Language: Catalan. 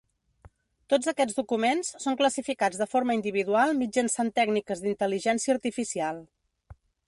Tots aquests documents són classificats de forma individual mitjançant tècniques d’intel·ligència artificial.